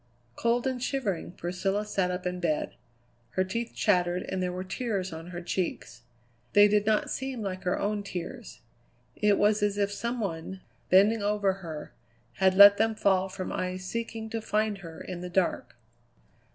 Cold and shivering, Priscilla sat up in bed. Her teeth chattered and there were tears on her cheeks. They did not seem like her own tears. It was as if some one, bending over her, had let them fall from eyes seeking to find her in the dark.